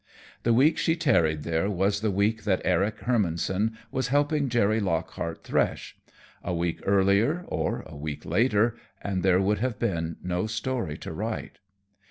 The week she tarried there was the week that Eric Hermannson was helping Jerry Lockhart thresh; a week earlier or a week later, and there would have been no story to write.